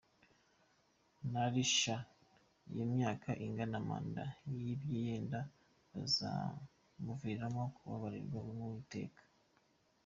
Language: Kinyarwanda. Narisha iyo myaka ingana manda yibye yenda byazamuviramo kubabarirwa n’Uwiteka!